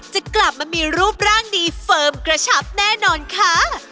จะกลับมามีรูปร่างดีเฟิร์มกระชับแน่นอนค่ะ